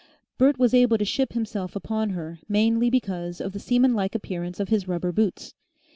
Bert was able to ship himself upon her mainly because of the seamanlike appearance of his rubber boots.